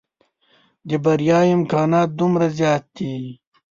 د بريا امکانات دومره زيات دي.